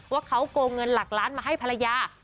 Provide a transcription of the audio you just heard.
ว่าเขาโกงเงินหลักล้านมาให้ภรรยา